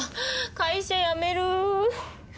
会社辞める。